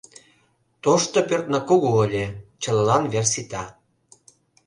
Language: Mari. Тошто пӧртна кугу ыле, чылалан вер сита.